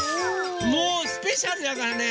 もうスペシャルだからね